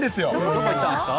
どこに行ったんですか？